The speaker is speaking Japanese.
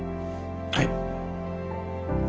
はい。